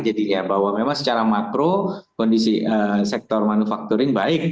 jadi ya bahwa memang secara makro kondisi sektor manufakturing baik